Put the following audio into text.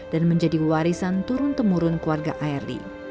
dan menjadi warisan turun temurun keluarga airly